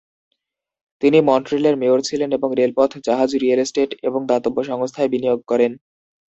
তিনি মন্ট্রিলের মেয়র ছিলেন এবং রেলপথ, জাহাজ, রিয়েল এস্টেট এবং দাতব্য সংস্থায় বিনিয়োগ করেন।